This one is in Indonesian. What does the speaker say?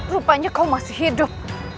rupanya kau masih hidup